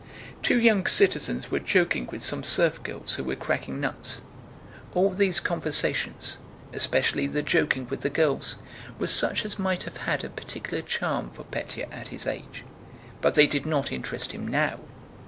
Two young citizens were joking with some serf girls who were cracking nuts. All these conversations, especially the joking with the girls, were such as might have had a particular charm for Pétya at his age, but they did not interest him now.